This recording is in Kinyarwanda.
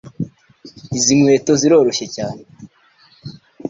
Izi nkweto ziroroshye cyane.